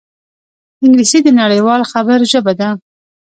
انګلیسي د نړيوال خبر ژبه ده